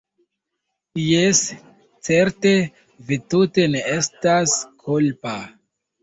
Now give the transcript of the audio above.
jes, certe, vi tute ne estas kulpa.